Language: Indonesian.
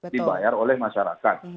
dibayar oleh masyarakat